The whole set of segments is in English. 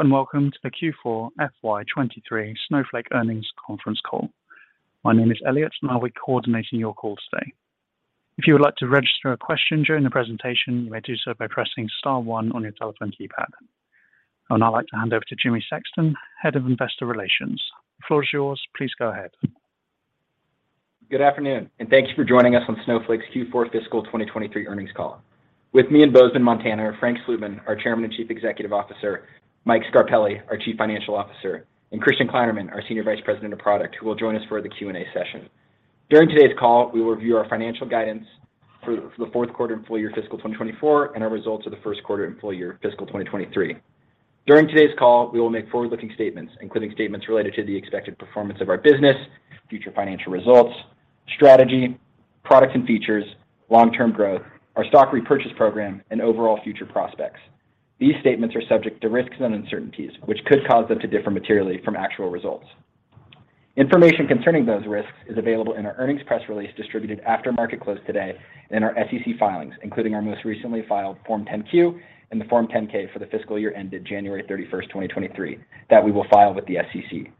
Hello, welcome to the Q4 FY 2023 Snowflake Earnings Conference Call. My name is Elliot, and I'll be coordinating your call today. If you would like to register a question during the presentation, you may do so by pressing star one on your telephone keypad. I would now like to hand over to Jimmy Sexton, Head of Investor Relations. The floor is yours. Please go ahead. Good afternoon, thank you for joining us on Snowflake's Q4 fiscal 2023 earnings call. With me in Bozeman, Montana, are Frank Slootman, our Chairman and Chief Executive Officer, Mike Scarpelli, our Chief Financial Officer, and Christian Kleinerman, our Senior Vice President of Product, who will join us for the Q&A session. During today's call, we will review our financial guidance for the fourth quarter and full year fiscal 2024, and our results of the first quarter and full year fiscal 2023. During today's call, we will make forward-looking statements, including statements related to the expected performance of our business, future financial results, strategy, products and features, long-term growth, our stock repurchase program, and overall future prospects. These statements are subject to risks and uncertainties, which could cause them to differ materially from actual results. Information concerning those risks is available in our earnings press release distributed after market close today in our SEC filings, including our most recently filed Form 10-Q and the Form 10-K for the fiscal year ended January 31st, 2023, that we will file with the SEC.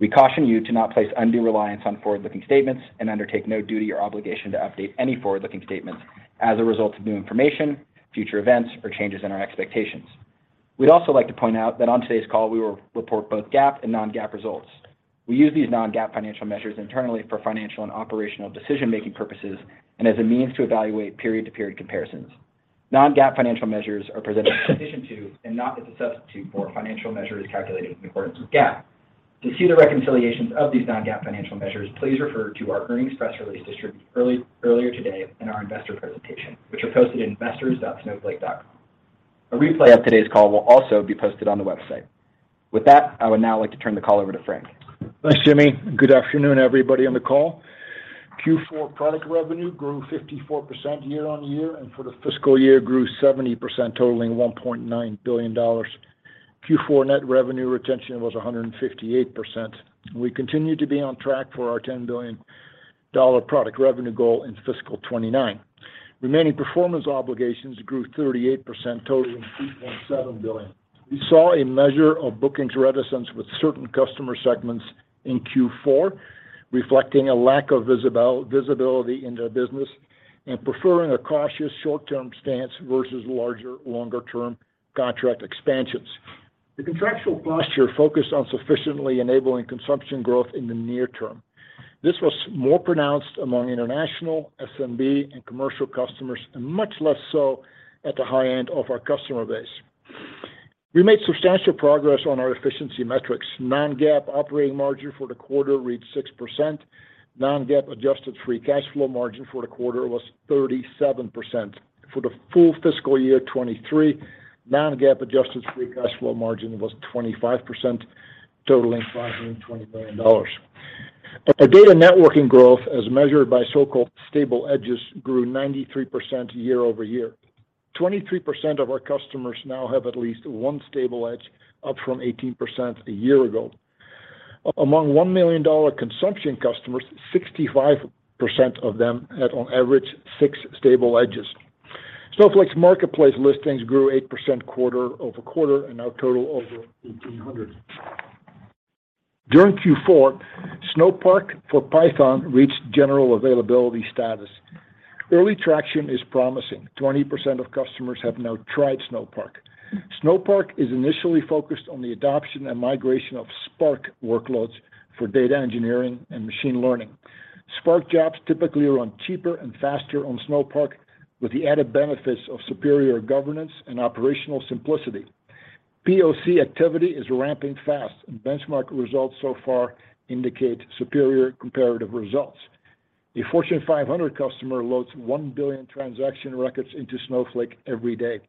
We caution you to not place undue reliance on forward-looking statements and undertake no duty or obligation to update any forward-looking statements as a result of new information, future events, or changes in our expectations. We'd also like to point out that on today's call, we will report both GAAP and non-GAAP results. We use these non-GAAP financial measures internally for financial and operational decision-making purposes and as a means to evaluate period-to-period comparisons. Non-GAAP financial measures are presented in addition to, and not as a substitute for, financial measures calculated in accordance with GAAP. To see the reconciliations of these non-GAAP financial measures, please refer to our earnings press release distributed earlier today in our investor presentation, which are posted at investors.snowflake.com. A replay of today's call will also be posted on the website. With that, I would now like to turn the call over to Frank. Thanks, Jimmy. Good afternoon, everybody on the call. Q4 product revenue grew 54% year-on-year, and for the fiscal year grew 70%, totaling $1.9 billion. Q4 net revenue retention was 158%. We continue to be on track for our $10 billion product revenue goal in fiscal 2029. Remaining performance obligations grew 38%, totaling $3.7 billion. We saw a measure of bookings reticence with certain customer segments in Q4, reflecting a lack of visibility in their business and preferring a cautious short-term stance versus larger, longer term contract expansions. The contractual posture focused on sufficiently enabling consumption growth in the near term. This was more pronounced among international SMB and commercial customers, and much less so at the high end of our customer base. We made substantial progress on our efficiency metrics. Non-GAAP operating margin for the quarter reached 6%. Non-GAAP adjusted free cash flow margin for the quarter was 37%. For the full fiscal year 2023, non-GAAP adjusted free cash flow margin was 25%, totaling $520 million. Our data networking growth, as measured by so-called stable edges, grew 93% year-over-year. 23% of our customers now have at least one stable edge, up from 18% a year ago. Among $1 million consumption customers, 65% of them had on average six stable edges. Snowflake's marketplace listings grew 8% quarter-over-quarter and now total over 1,800. During Q4, Snowpark for Python reached general availability status. Early traction is promising. 20% of customers have now tried Snowpark. Snowpark is initially focused on the adoption and migration of Spark workloads for data engineering and machine learning. Spark jobs typically run cheaper and faster on Snowpark, with the added benefits of superior governance and operational simplicity. POC activity is ramping fast. Benchmark results so far indicate superior comparative results. A Fortune 500 customer loads 1 billion transaction records into Snowflake every day.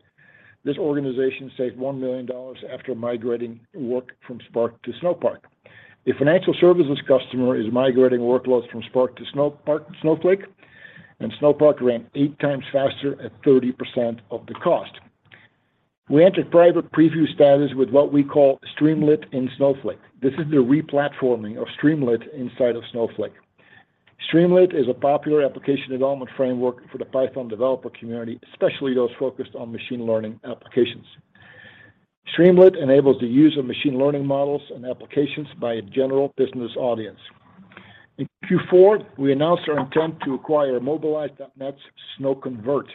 This organization saved $1 million after migrating work from Spark to Snowpark. A financial services customer is migrating workloads from Spark to Snowflake. Snowpark ran 8x faster at 30% of the cost. We entered private preview status with what we call Streamlit in Snowflake. This is the replatforming of Streamlit inside of Snowflake. Streamlit is a popular application development framework for the Python developer community, especially those focused on machine learning applications. Streamlit enables the use of machine learning models and applications by a general business audience. In Q4, we announced our intent to acquire Mobilize.net's SnowConvert.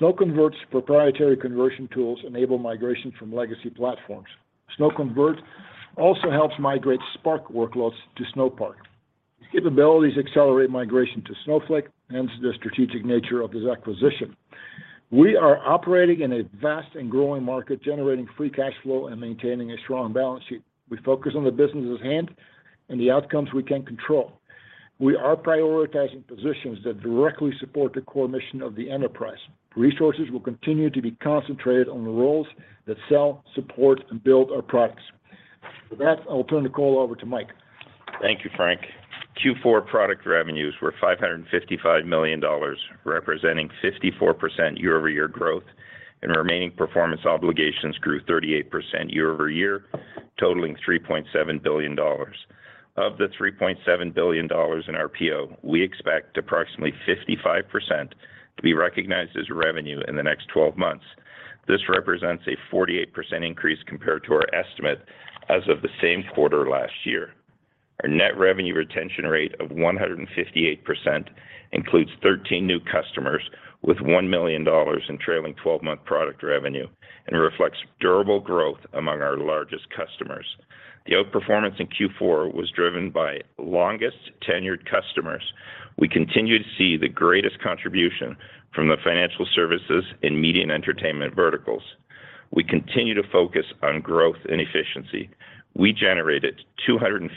SnowConvert's proprietary conversion tools enable migration from legacy platforms. SnowConvert also helps migrate Spark workloads to Snowpark. These capabilities accelerate migration to Snowflake, hence the strategic nature of this acquisition. We are operating in a vast and growing market, generating free cash flow and maintaining a strong balance sheet. We focus on the businesses at hand and the outcomes we can control. We are prioritizing positions that directly support the core mission of the enterprise. Resources will continue to be concentrated on the roles that sell, support, and build our products. For that, I will turn the call over to Mike. Thank you, Frank. Q4 product revenues were $555 million, representing 54% year-over-year growth. Remaining performance obligations grew 38% year-over-year. Totaling $3.7 billion. Of the $3.7 billion in RPO, we expect approximately 55% to be recognized as revenue in the next 12 months. This represents a 48% increase compared to our estimate as of the same quarter last year. Our net revenue retention rate of 158% includes 13 new customers with $1 million in trailing 12-month product revenue, and reflects durable growth among our largest customers. The outperformance in Q4 was driven by longest-tenured customers. We continue to see the greatest contribution from the financial services in media and entertainment verticals. We continue to focus on growth and efficiency. We generated $215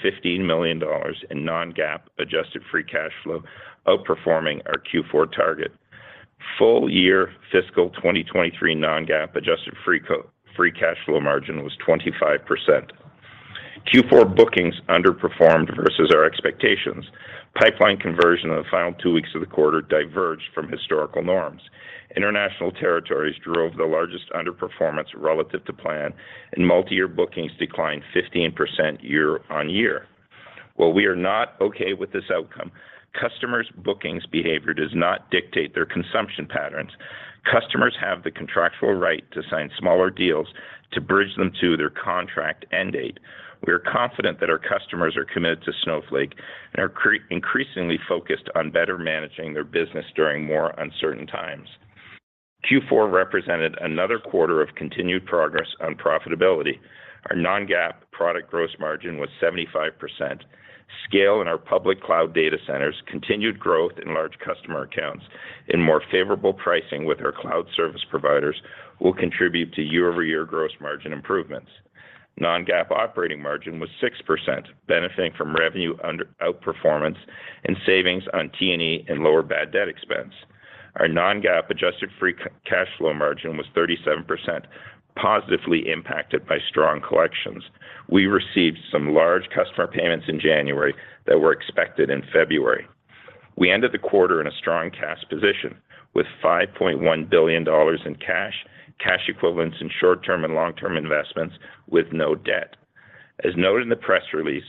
million in non-GAAP adjusted free cash flow, outperforming our Q4 target. Full year fiscal 2023 non-GAAP adjusted free cash flow margin was 25%. Q4 bookings underperformed versus our expectations. Pipeline conversion in the final two weeks of the quarter diverged from historical norms. International territories drove the largest underperformance relative to plan. Multi-year bookings declined 15% year-over-year. While we are not okay with this outcome, customers' bookings behavior does not dictate their consumption patterns. Customers have the contractual right to sign smaller deals to bridge them to their contract end date. We are confident that our customers are committed to Snowflake and are increasingly focused on better managing their business during more uncertain times. Q4 represented another quarter of continued progress on profitability. Our non-GAAP product gross margin was 75%. Scale in our public cloud data centers, continued growth in large customer accounts, and more favorable pricing with our cloud service providers will contribute to year-over-year gross margin improvements. Non-GAAP operating margin was 6%, benefiting from revenue under outperformance and savings on T&E and lower bad debt expense. Our non-GAAP adjusted free cash flow margin was 37%, positively impacted by strong collections. We received some large customer payments in January that were expected in February. We ended the quarter in a strong cash position, with $5.1 billion in cash equivalents in short-term and long-term investments with no debt. As noted in the press release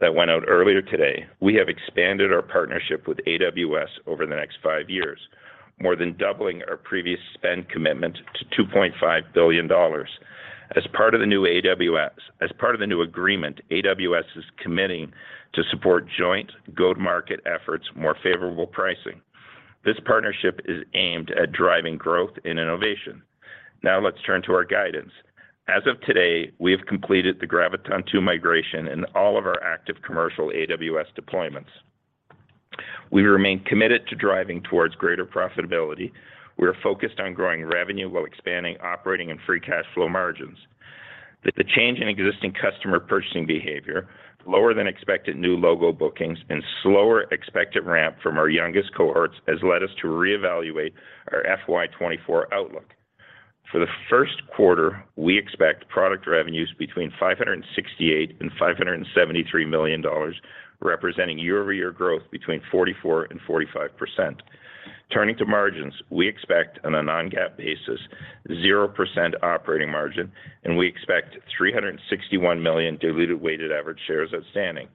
that went out earlier today, we have expanded our partnership with AWS over the next five years, more than doubling our previous spend commitment to $2.5 billion. As part of the new agreement, AWS is committing to support joint go-to-market efforts, more favorable pricing. This partnership is aimed at driving growth and innovation. Let's turn to our guidance. As of today, we have completed the Graviton2 migration in all of our active commercial AWS deployments. We remain committed to driving towards greater profitability. We are focused on growing revenue while expanding operating and free cash flow margins. The change in existing customer purchasing behavior, lower than expected new logo bookings, and slower expected ramp from our youngest cohorts has led us to reevaluate our FY 2024 outlook. For the first quarter, we expect product revenues between $568 million and $573 million, representing year-over-year growth between 44% and 45%. Turning to margins, we expect on a non-GAAP basis, 0% operating margin, and we expect 361 million diluted weighted average shares outstanding.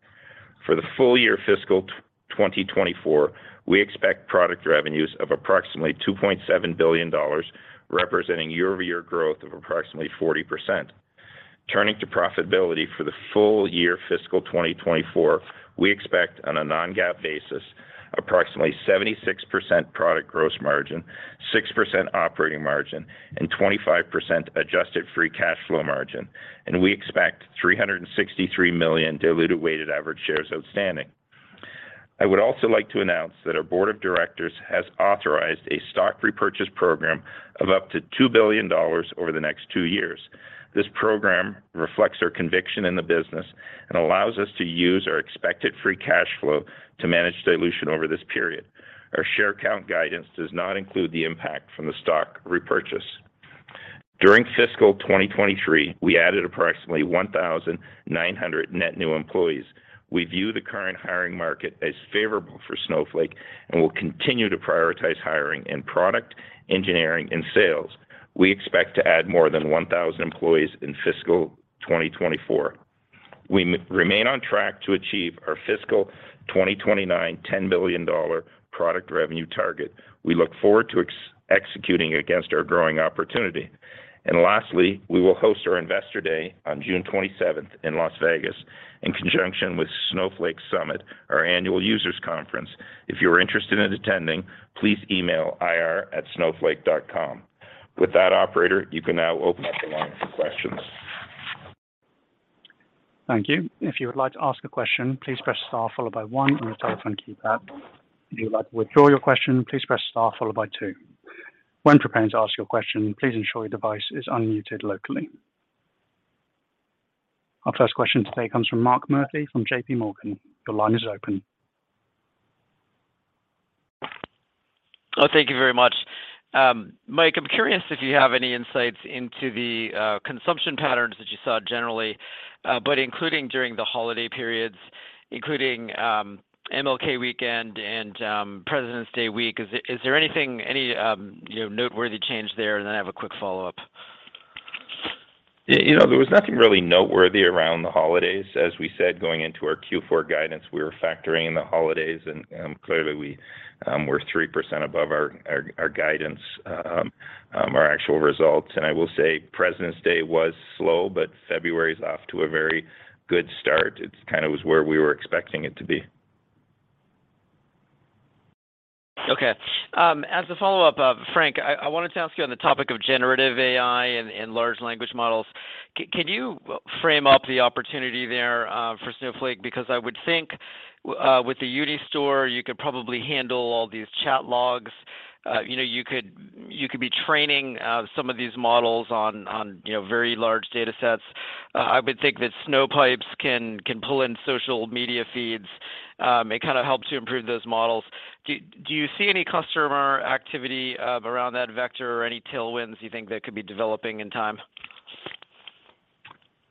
For the full year fiscal 2024, we expect product revenues of approximately $2.7 billion, representing year-over-year growth of approximately 40%. Turning to profitability for the full year fiscal 2024, we expect on a non-GAAP basis, approximately 76% product gross margin, 6% operating margin, and 25% adjusted free cash flow margin, and we expect 363 million diluted weighted average shares outstanding. I would also like to announce that our Board of Directors has authorized a stock repurchase program of up to $2 billion over the next two years. This program reflects our conviction in the business and allows us to use our expected free cash flow to manage dilution over this period. Our share count guidance does not include the impact from the stock repurchase. During fiscal 2023, we added approximately 1,900 net new employees. We view the current hiring market as favorable for Snowflake and will continue to prioritize hiring in product, engineering, and sales. We expect to add more than 1,000 employees in fiscal 2024. We remain on track to achieve our fiscal 2029 $10 billion product revenue target. We look forward to executing against our growing opportunity. Lastly, we will host our Investor Day on June 27th in Las Vegas in conjunction with Snowflake Summit, our annual users conference. If you are interested in attending, please email ir@snowflake.com. With that, operator, you can now open up the line for questions. Thank you. If you would like to ask a question, please press star followed by one on your telephone keypad. If you would like to withdraw your question, please press star followed by two. When preparing to ask your question, please ensure your device is unmuted locally. Our first question today comes from Mark Murphy from J.P. Morgan. Your line is open. thank you very much. Mike, I'm curious if you have any insights into the consumption patterns that you saw generally, but including during the holiday periods. Including MLK weekend and President's Day week. Is there anything, any, you know, noteworthy change there? Then I have a quick follow-up. Yeah, you know, there was nothing really noteworthy around the holidays. As we said, going into our Q4 guidance, we were factoring in the holidays, clearly we're 3% above our guidance, our actual results. I will say President's Day was slow, but February is off to a very good start. It's kind of was where we were expecting it to be. As a follow-up, Frank, I wanted to ask you on the topic of generative AI and large language models. Can you frame up the opportunity there for Snowflake? Because I would think, with the Unistore, you could probably handle all these chat logs. You know, you could be training some of these models on, you know, very large datasets. I would think that Snowpipes can pull in social media feeds. It kinda helps you improve those models. Do you see any customer activity around that vector or any tailwinds you think that could be developing in time?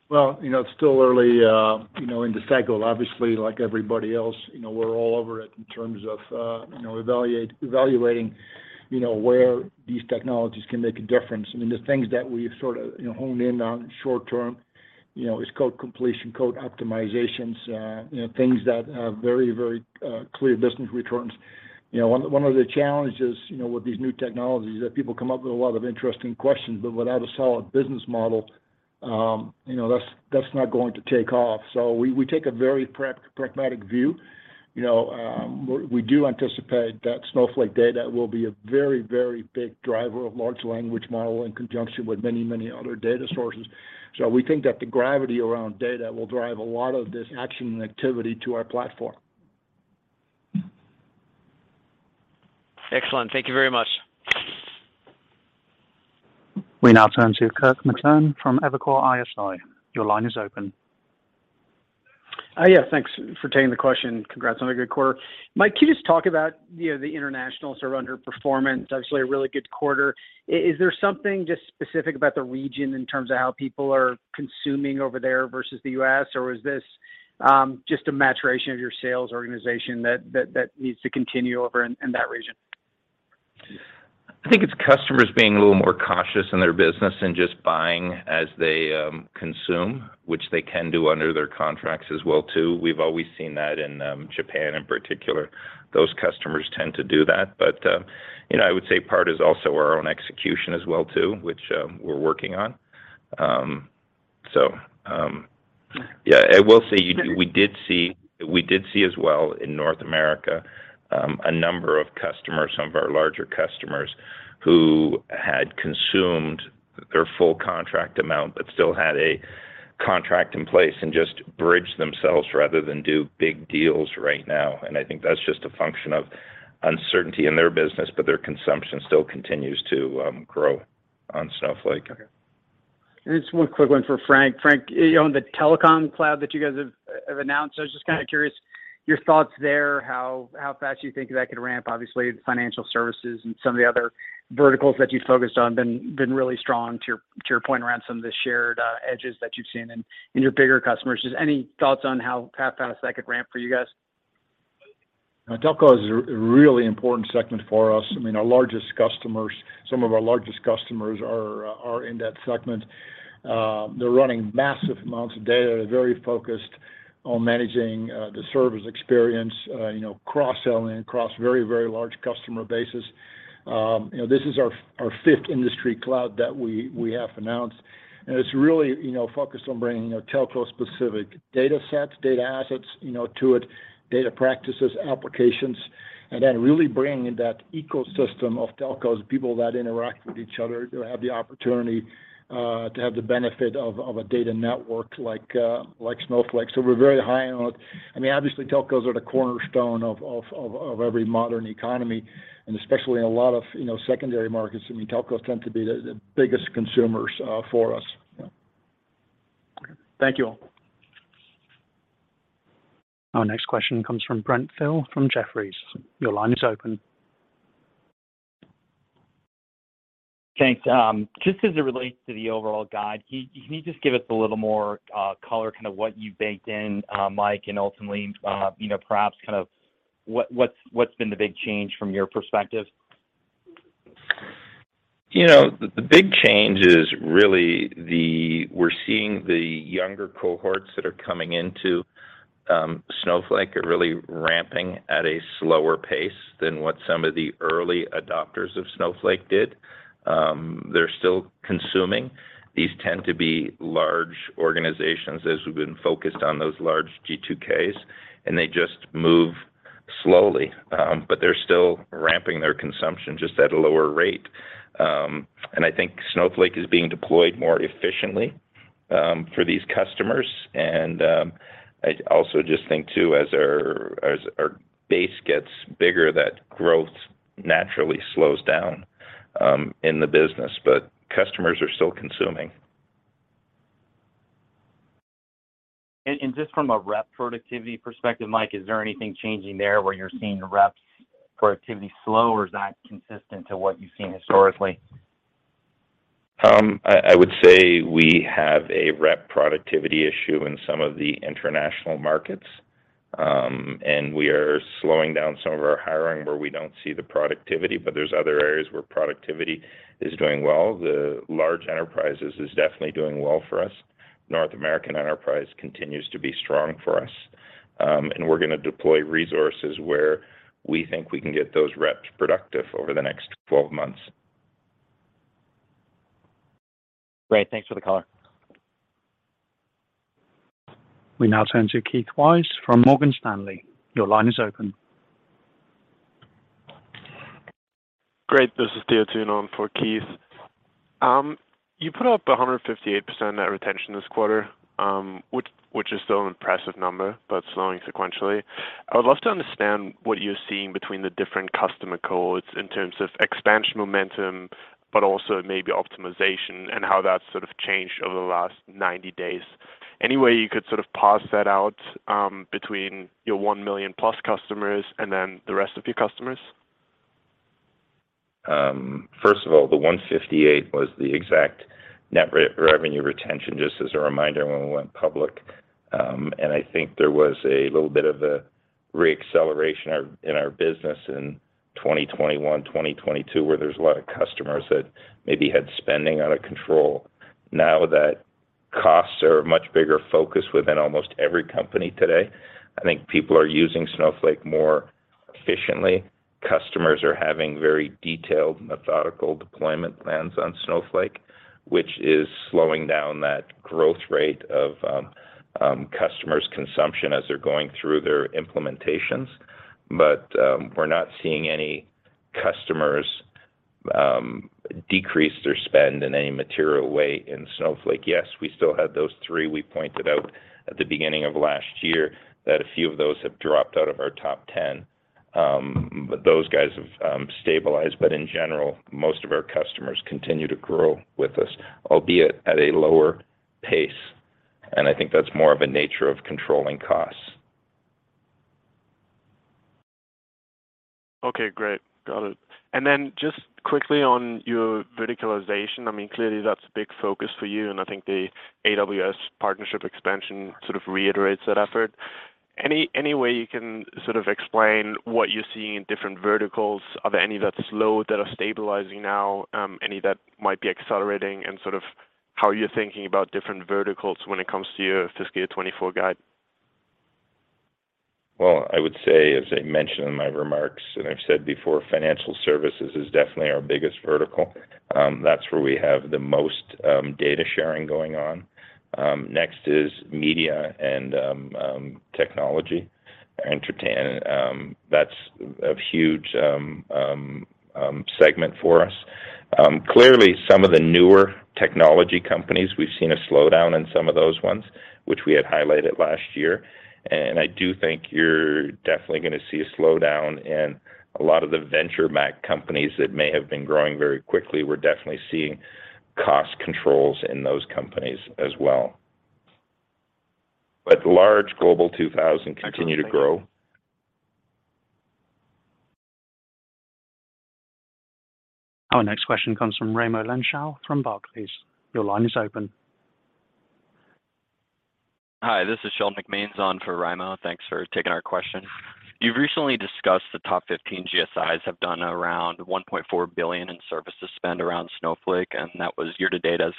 Well, you know, it's still early, you know, in the cycle. Obviously, like everybody else, you know, we're all over it in terms of, you know, evaluating, you know, where these technologies can make a difference. I mean, the things that we've sorta, you know, honed in on short term, you know, is code completion, code optimizations, you know, things that have very clear business returns. You know, one of the challenges, you know, with these new technologies, that people come up with a lot of interesting questions, but without a solid business model, you know, that's not going to take off. We take a very pragmatic view. You know, we do anticipate that Snowflake data will be a very big driver of large language model in conjunction with many other data sources. We think that the gravity around data will drive a lot of this action and activity to our platform. Excellent. Thank you very much. We now turn to Kirk Materne from Evercore ISI. Your line is open. Yeah, thanks for taking the question. Congrats on a good quarter. Mike, can you just talk about, you know, the international sort of underperformance? Obviously, a really good quarter. Is there something just specific about the region in terms of how people are consuming over there versus the U.S., or is this just a maturation of your sales organization that needs to continue over in that region? I think it's customers being a little more cautious in their business and just buying as they consume, which they can do under their contracts as well, too. We've always seen that in Japan in particular. Those customers tend to do that. You know, I would say part is also our own execution as well, too, which we're working on. Yeah, I will say we did see as well in North America, a number of customers, some of our larger customers, who had consumed their full contract amount but still had a contract in place and just bridged themselves rather than do big deals right now. I think that's just a function of uncertainty in their business, but their consumption still continues to grow on Snowflake. Okay. Just one quick one for Frank. Frank, on the Telecom Data Cloud that you guys have announced, I was just kinda curious your thoughts there, how fast you think that could ramp. Obviously, financial services and some of the other verticals that you focused on been really strong to your point around some of the shared edges that you've seen in your bigger customers. Just any thoughts on how fast that could ramp for you guys? Telco is a really important segment for us. I mean, our largest customers, some of our largest customers are in that segment. They're running massive amounts of data. They're very focused on managing the service experience, you know, cross-selling across very, very large customer bases. You know, this is our fifth industry cloud that we have announced. It's really, you know, focused on bringing, you know, telco-specific datasets, data assets, you know, to it, data practices, applications, and then really bringing that ecosystem of telcos, people that interact with each other. They'll have the opportunity to have the benefit of a data network like Snowflake. We're very high on it. I mean, obviously, telcos are the cornerstone of every modern economy, and especially in a lot of, you know, secondary markets. I mean, telcos tend to be the biggest consumers for us. Yeah. Thank you all. Our next question comes from Brent Thill from Jefferies. Your line is open. Thanks. Just as it relates to the overall guide, can you just give us a little more color, kinda what you baked in, Mike, ultimately, you know, perhaps what's been the big change from your perspective? You know, the big change is really We're seeing the younger cohorts that are coming into Snowflake are really ramping at a slower pace than what some of the early adopters of Snowflake did. They're still consuming. These tend to be large organizations, as we've been focused on those large G2Ks, and they just move slowly. They're still ramping their consumption, just at a lower rate. I think Snowflake is being deployed more efficiently for these customers. I also just think too, as our base gets bigger, that growth naturally slows down in the business. Customers are still consuming. Just from a rep productivity perspective, Mike, is there anything changing there where you're seeing reps productivity slow, or is that consistent to what you've seen historically? I would say we have a rep productivity issue in some of the international markets, and we are slowing down some of our hiring where we don't see the productivity, but there's other areas where productivity is doing well. The large enterprises is definitely doing well for us. North American enterprise continues to be strong for us. We're gonna deploy resources where we think we can get those reps productive over the next 12 months. Great. Thanks for the color. We now turn to Keith Weiss from Morgan Stanley. Your line is open. Great. This is Theodor Thun on for Keith. You put up 158% net retention this quarter, which is still an impressive number, but slowing sequentially. I would love to understand what you're seeing between the different customer cohorts in terms of expansion momentum, but also maybe optimization and how that sort of changed over the last 90 days. Any way you could sort of parse that out between your $1 million+ customers and then the rest of your customers? First of all, the 158 was the exact net revenue retention, just as a reminder, when we went public. I think there was a little bit of a re-acceleration in our business in 2021, 2022, where there's a lot of customers that maybe had spending out of control. Now that costs are a much bigger focus within almost every company today, I think people are using Snowflake more efficiently. Customers are having very detailed, methodical deployment plans on Snowflake, which is slowing down that growth rate of customers' consumption as they're going through their implementations. We're not seeing any customers decrease their spend in any material way in Snowflake. Yes, we still had those three we pointed out at the beginning of last year, that a few of those have dropped out of our top 10. Those guys have stabilized. In general, most of our customers continue to grow with us, albeit at a lower pace, and I think that's more of a nature of controlling costs. Okay. Great. Got it. Just quickly on your verticalization. I mean, clearly that's a big focus for you, and I think the AWS partnership expansion sort of reiterates that effort. Any, any way you can sort of explain what you're seeing in different verticals? Are there any that's slow that are stabilizing now, any that might be accelerating? Sort of how you're thinking about different verticals when it comes to your fiscal 2024 guide? Well, I would say, as I mentioned in my remarks and I've said before, financial services is definitely our biggest vertical. That's where we have the most data sharing going on. Next is media and technology, entertain. That's a huge segment for us. Clearly some of the newer technology companies, we've seen a slowdown in some of those ones, which we had highlighted last year. I do think you're definitely gonna see a slowdown in a lot of the venture-backed companies that may have been growing very quickly. We're definitely seeing cost controls in those companies as well. The large Global 2000 continue to grow. Our next question comes from Raimo Lenschow from Barclays. Your line is open. Hi, this is Sheldon McMeans on for Raimo. Thanks for taking our question. You've recently discussed the top 15 GSIs have done around $1.4 billion in services spend around Snowflake, and that was year-to-date as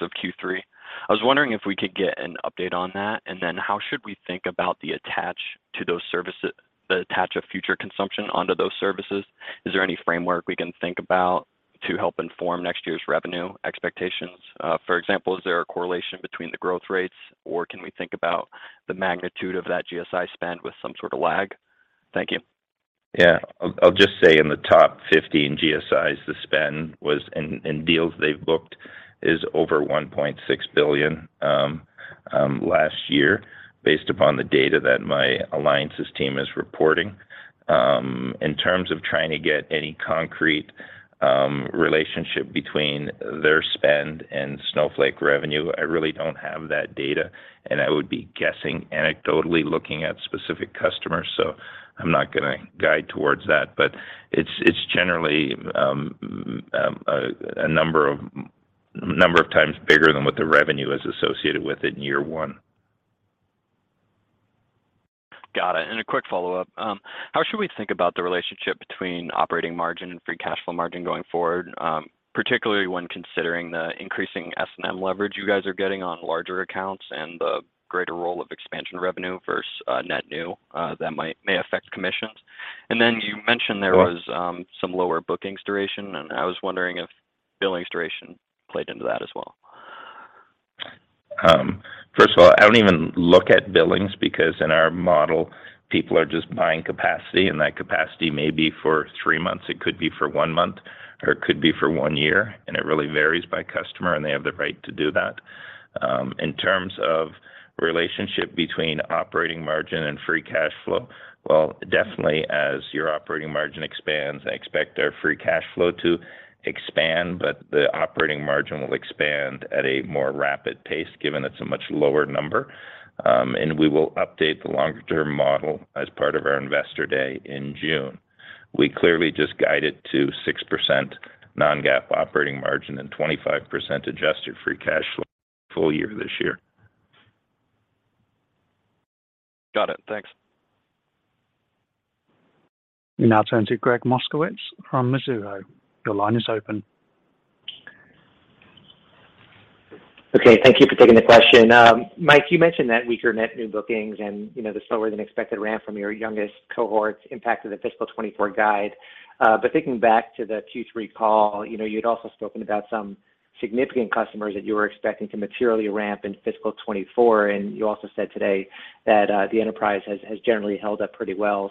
of Q3. I was wondering if we could get an update on that. How should we think about the attach to those services, the attach of future consumption onto those services? Is there any framework we can think about to help inform next year's revenue expectations? For example, is there a correlation between the growth rates, or can we think about the magnitude of that GSI spend with some sort of lag? Thank you. I'll just say in the top 15 GSIs, the spend was in deals they've booked is over $1.6 billion last year, based upon the data that my alliances team is reporting. In terms of trying to get any concrete relationship between their spend and Snowflake revenue, I really don't have that data, and I would be guessing anecdotally, looking at specific customers, so I'm not gonna guide towards that. It's generally a number of times bigger than what the revenue is associated with in year one. Got it. A quick follow-up. How should we think about the relationship between operating margin and free cash flow margin going forward, particularly when considering the increasing S&M leverage you guys are getting on larger accounts and the greater role of expansion revenue versus net new, may affect commissions? You mentioned there was- Sure... some lower bookings duration, and I was wondering if billings duration played into that as well. First of all, I don't even look at billings because in our model, people are just buying capacity, and that capacity may be for three months, it could be for one month, or it could be for one year, and it really varies by customer, and they have the right to do that. In terms of relationship between operating margin and free cash flow, well, definitely as your operating margin expands, I expect our free cash flow to expand, but the operating margin will expand at a more rapid pace, given it's a much lower number. We will update the longer-term model as part of our investor day in June. We clearly just guided to 6% non-GAAP operating margin and 25% adjusted free cash flow full year this year. Got it. Thanks. We now turn to Gregg Moskowitz from Mizuho. Your line is open. Okay. Thank you for taking the question. Mike, you mentioned that weaker net new bookings and, you know, the slower than expected ramp from your youngest cohorts impacted the fiscal 2024 guide. Thinking back to the Q3 call, you know, you'd also spoken about some significant customers that you were expecting to materially ramp in fiscal 2024, and you also said today that the enterprise has generally held up pretty well.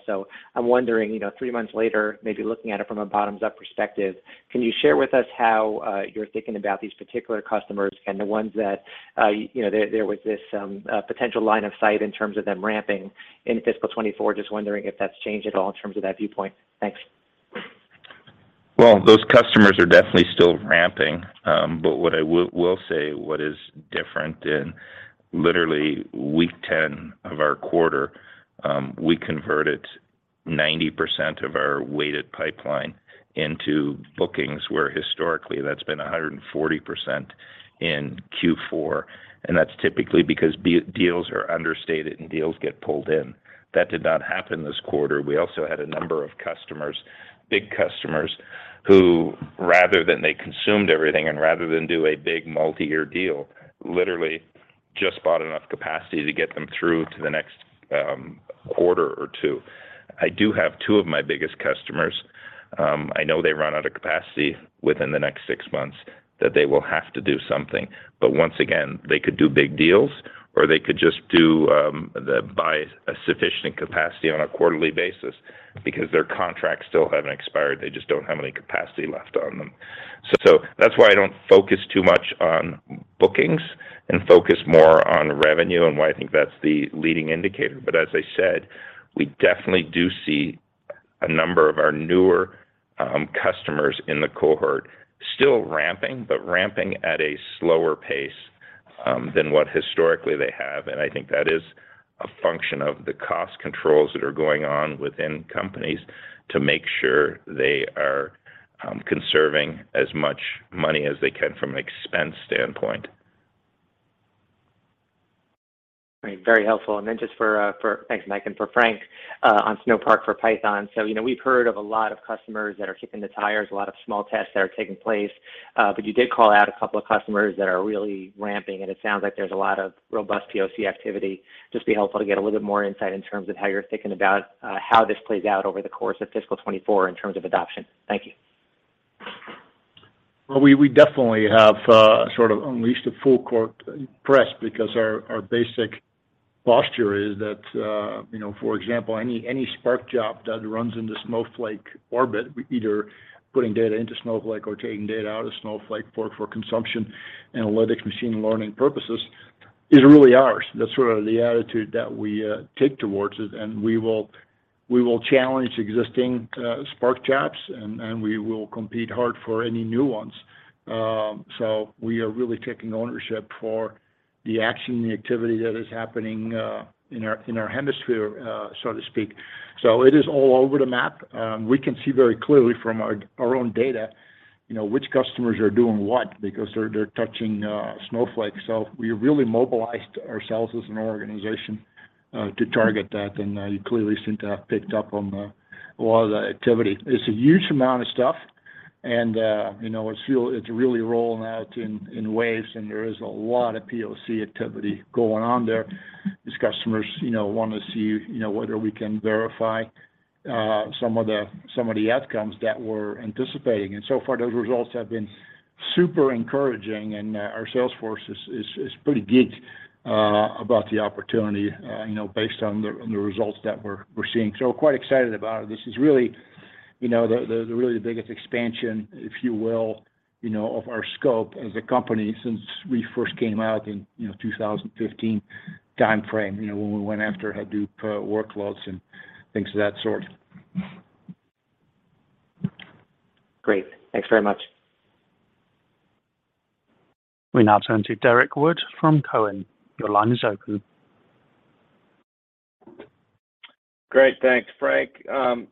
I'm wondering, you know, three months later, maybe looking at it from a bottoms-up perspective, can you share with us how you're thinking about these particular customers and the ones that, you know, there was this potential line of sight in terms of them ramping into fiscal 2024? Wondering if that's changed at all in terms of that viewpoint. Thanks. Those customers are definitely still ramping. What I will say what is different, in literally week 10 of our quarter, we converted 90% of our weighted pipeline into bookings, where historically, that's been 140% in Q4, and that's typically because deals are understated and deals get pulled in. That did not happen this quarter. We also had a number of customers, big customers, who rather than they consumed everything and rather than do a big multi-year deal, literally just bought enough capacity to get them through to the next quarter or two. I do have two of my biggest customers, I know they run out of capacity within the next six months, that they will have to do something. Once again, they could do big deals, or they could just do, buy a sufficient capacity on a quarterly basis because their contracts still haven't expired, they just don't have any capacity left on them. That's why I don't focus too much on bookings and focus more on revenue and why I think that's the leading indicator. As I said, we definitely do see a number of our newer, customers in the cohort still ramping, but ramping at a slower pace, than what historically they have. I think that is a function of the cost controls that are going on within companies to make sure they are, conserving as much money as they can from an expense standpoint. Right. Very helpful. Then just for Thanks, Mike, and for Frank, on Snowpark for Python. You know, we've heard of a lot of customers that are kicking the tires, a lot of small tests that are taking place. You did call out a couple of customers that are really ramping, and it sounds like there's a lot of robust POC activity. Just be helpful to get a little bit more insight in terms of how you're thinking about how this plays out over the course of fiscal 2024 in terms of adoption. Thank you. We definitely have sort of unleashed a full court press because our basic posture is that, you know, for example, any Spark job that runs into Snowflake orbit, either putting data into Snowflake or taking data out of Snowflake for consumption, analytics, machine learning purposes, is really ours. That's sort of the attitude that we take towards it, and we will challenge existing Spark jobs and we will compete hard for any new ones. We are really taking ownership for the action, the activity that is happening in our hemisphere, so to speak. It is all over the map. We can see very clearly from our own data, you know, which customers are doing what because they're touching Snowflake. We really mobilized ourselves as an organization to target that, and you clearly seem to have picked up on the, a lot of the activity. It's a huge amount of stuff, and you know, it's really rolling out in ways, and there is a lot of POC activity going on there. These customers, you know, wanna see, you know, whether we can verify some of the outcomes that we're anticipating. So far, those results have been super encouraging, and our sales force is pretty geeked about the opportunity, you know, based on the results that we're seeing. We're quite excited about it. This is really, you know, the really biggest expansion, if you will, you know, of our scope as a company since we first came out in, you know, 2015 timeframe, you know, when we went after Hadoop workloads and things of that sort. Great. Thanks very much. We now turn to Derrick Wood from Cowen. Your line is open. Great. Thanks. Frank,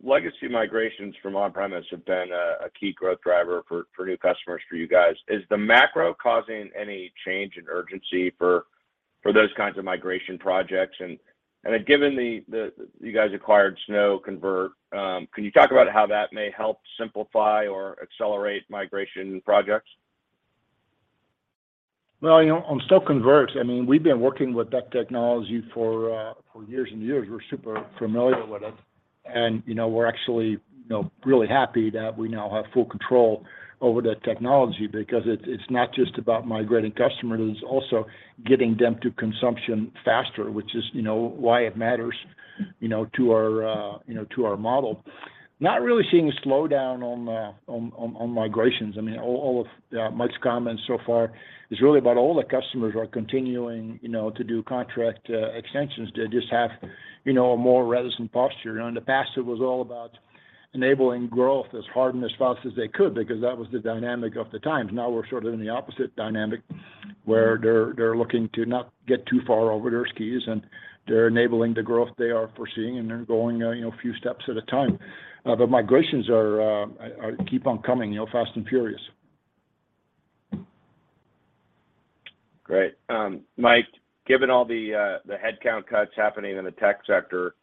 legacy migrations from on-premise have been a key growth driver for new customers for you guys. Is the macro causing any change in urgency for those kinds of migration projects? Then given you guys acquired SnowConvert, can you talk about how that may help simplify or accelerate migration projects? Well, you know, on SnowConvert, I mean, we've been working with that technology for years and years. We're super familiar with it. You know, we're actually, you know, really happy that we now have full control over that technology because it's not just about migrating customers, it's also getting them to consumption faster, which is, you know, why it matters, you know, to our, you know, to our model. Not really seeing a slowdown on migrations. I mean, all of Mike's comments so far is really about all the customers are continuing, you know, to do contract extensions. They just have, you know, a more reticent posture. You know, in the past, it was all about enabling growth as hard and as fast as they could because that was the dynamic of the times. Now we're sort of in the opposite dynamic. Where they're looking to not get too far over their skis, and they're enabling the growth they are foreseeing, and they're going, you know, a few steps at a time. Migrations are keep on coming, you know, fast and furious. Great. Mike, given all the headcount cuts happening in the tech sector,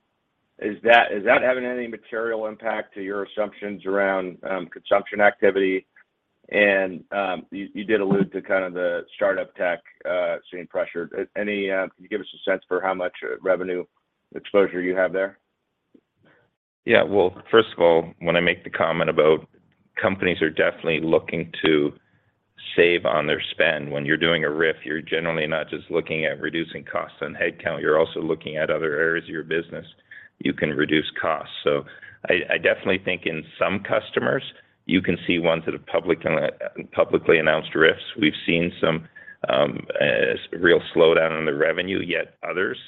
is that having any material impact to your assumptions around consumption activity? You did allude to kind of the start-up tech seeing pressure. Can you give us a sense for how much revenue exposure you have there? Yeah. Well, first of all, when I make the comment about companies are definitely looking to save on their spend. When you're doing a RIF, you're generally not just looking at reducing costs on headcount, you're also looking at other areas of your business you can reduce costs. I definitely think in some customers, you can see ones that have publicly announced RIFs. We've seen some real slowdown on the revenue, yet others,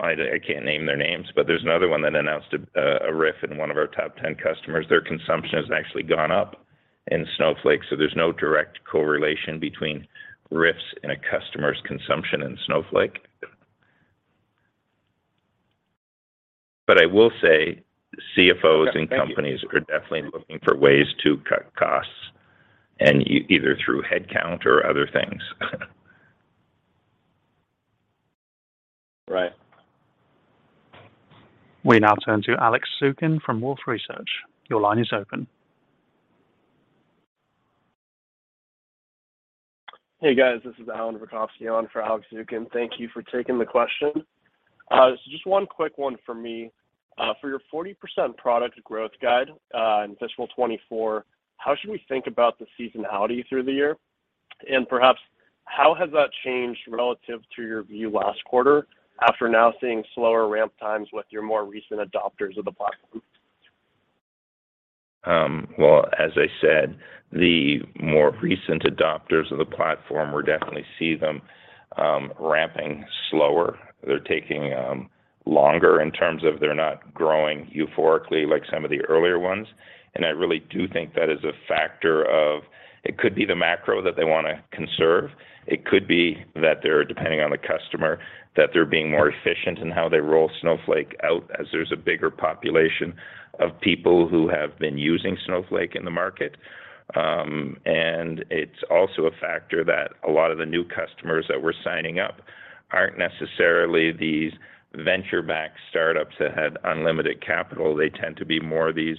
I can't name their names, but there's another one that announced a RIF in one of our top 10 customers. Their consumption has actually gone up in Snowflake, there's no direct correlation between RIFs in a customer's consumption in Snowflake. I will say CFOs. Yeah. Thank you.... in companies are definitely looking for ways to cut costs, and either through headcount or other things. Right. We now turn to Alex Zukin from Wolfe Research. Your line is open. Hey, guys, this is Alan Blokh on for Alex Zukin. Thank you for taking the question. Just one quick one for me. For your 40% product growth guide in fiscal 2024, how should we think about the seasonality through the year? Perhaps, how has that changed relative to your view last quarter after now seeing slower ramp times with your more recent adopters of the platform? Well, as I said, the more recent adopters of the platform, we're definitely see them ramping slower. They're taking longer in terms of they're not growing euphorically like some of the earlier ones. I really do think that is a factor of it could be the macro that they wanna conserve, it could be that they're depending on the customer, that they're being more efficient in how they roll Snowflake out as there's a bigger population of people who have been using Snowflake in the market. It's also a factor that a lot of the new customers that we're signing up aren't necessarily these venture-backed startups that had unlimited capital. They tend to be more these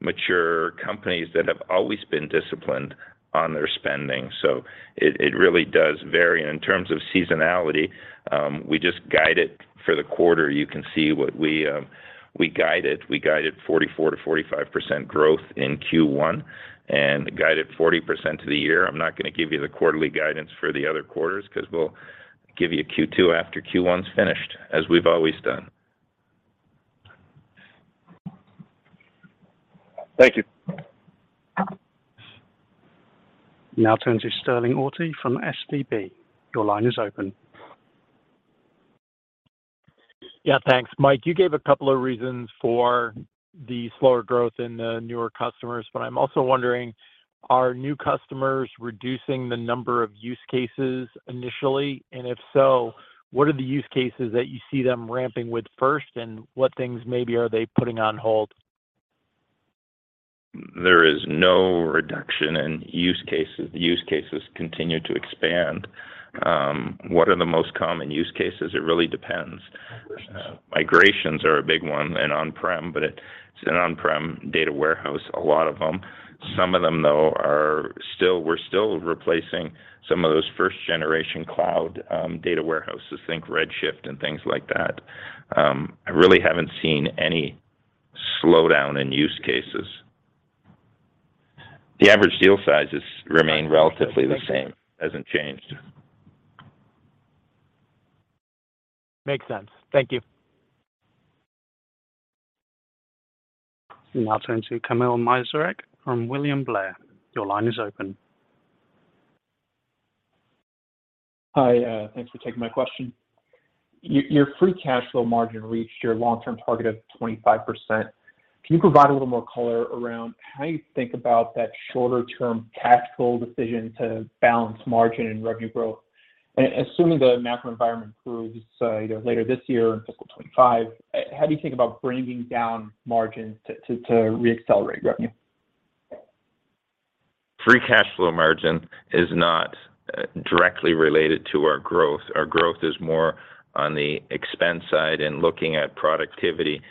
mature companies that have always been disciplined on their spending. It really does vary. In terms of seasonality, we just guide it for the quarter. You can see what we guided. We guided 44%-45% growth in Q1, and guided 40% to the year. I'm not gonna give you the quarterly guidance for the other quarters, 'cause we'll give you Q2 after Q1's finished, as we've always done. Thank you. Now turn to Sterling Auty from SVB. Your line is open. Yeah, thanks. Mike, you gave a couple of reasons for the slower growth in the newer customers. I'm also wondering, are new customers reducing the number of use cases initially? If so, what are the use cases that you see them ramping with first, and what things maybe are they putting on hold? There is no reduction in use cases. The use cases continue to expand. What are the most common use cases? It really depends. Migrations. Migrations are a big one in on-prem, but it's an on-prem data warehouse, a lot of them. Some of them, though, we're still replacing some of those first-generation cloud data warehouses. Think Redshift and things like that. I really haven't seen any slowdown in use cases. The average deal sizes remain relatively the same. Hasn't changed. Makes sense. Thank you. Now turn to Kamil Mielczarek from William Blair. Your line is open. Thanks for taking my question. Your free cash flow margin reached your long-term target of 25%. Can you provide a little more color around how you think about that shorter term tactical decision to balance margin and revenue growth? Assuming the macro environment improves, you know, later this year in fiscal 2025, how do you think about bringing down margins to re-accelerate revenue? Free cash flow margin is not directly related to our growth. Our growth is more on the expense side and looking at productivity,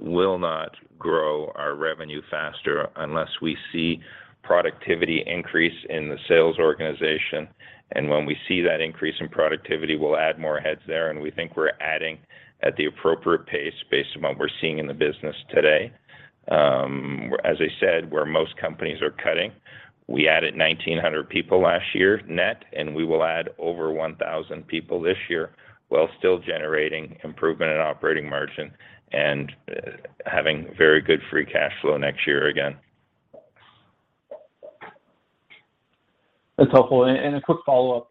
will not grow our revenue faster unless we see productivity increase in the sales organization. When we see that increase in productivity, we'll add more heads there, and we think we're adding at the appropriate pace based on what we're seeing in the business today. As I said, where most companies are cutting, we added 1,900 people last year net, and we will add over 1,000 people this year, while still generating improvement in operating margin and having very good free cash flow next year again. That's helpful. A quick follow-up.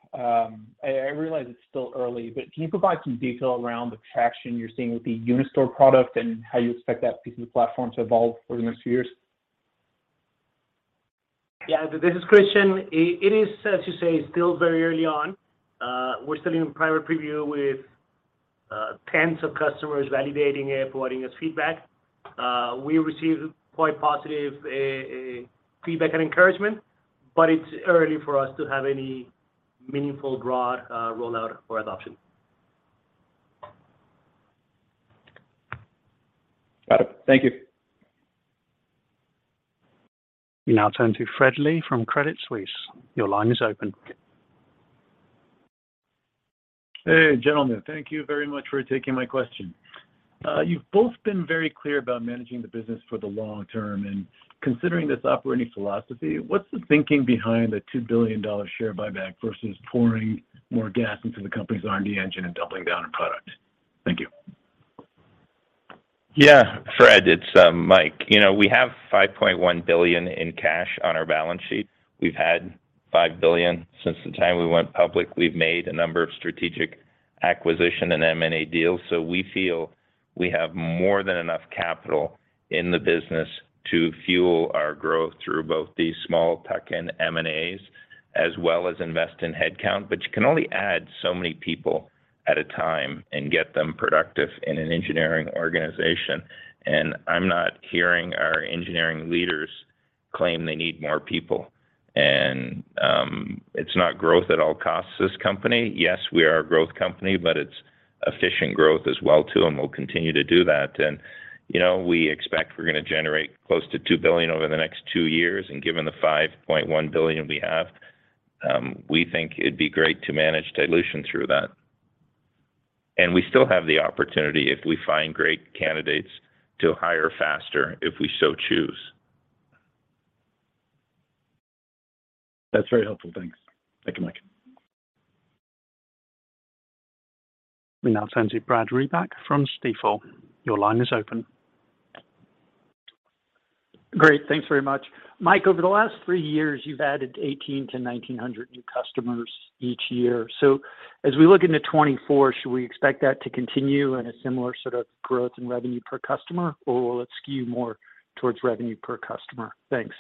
I realize it's still early, but can you provide some detail around the traction you're seeing with the Unistore product and how you expect that piece of the platform to evolve over the next few years? Yeah, this is Christian. It is, as you say, still very early on. We're still in private preview with tens of customers validating it, providing us feedback. We received quite positive feedback and encouragement, it's early for us to have any meaningful broad rollout or adoption. Got it. Thank you. We now turn to Fred Lee from Credit Suisse. Your line is open. Hey, gentlemen. Thank you very much for taking my question. You've both been very clear about managing the business for the long term. Considering this operating philosophy, what's the thinking behind the $2 billion share buyback versus pouring more gas into the company's R&D engine and doubling down on product? Thank you. Yeah, Fred, it's Mike. You know, we have $5.1 billion in cash on our balance sheet. We've had $5 billion since the time we went public. We've made a number of strategic acquisition and M&A deals, we feel we have more than enough capital in the business to fuel our growth through both the small tech and M&As, as well as invest in head count. You can only add so many people at a time and get them productive in an engineering organization. I'm not hearing our engineering leaders claim they need more people. It's not growth at all costs, this company. Yes, we are a growth company, it's efficient growth as well too, we'll continue to do that. You know, we expect we're gonna generate close to $2 billion over the next two years. Given the $5.1 billion we have, we think it'd be great to manage dilution through that. We still have the opportunity, if we find great candidates, to hire faster if we so choose. That's very helpful. Thanks. Thank you, Mike. We now turn to Brad Reback from Stifel. Your line is open. Great. Thanks very much. Mike, over the last three years, you've added 1,800-1,900 new customers each year. As we look into 2024, should we expect that to continue in a similar sort of growth in revenue per customer, or will it skew more towards revenue per customer? Thanks.